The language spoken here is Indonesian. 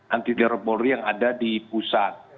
anti terorism yang ada di pusat